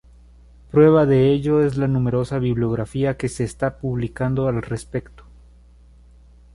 Prueba de ello es la numerosa bibliografía que se está publicando al respecto.